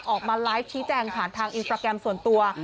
ออกมาไลฟ์ชี้แจงผ่านทางอินสตราแกรมส่วนตัว